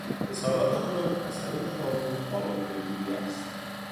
اظهارات آنان از طریق قانون قابل پیگیری است.